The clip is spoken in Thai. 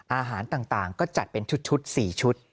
อาหารต่างก็จัดเป็นชุด๔ชุด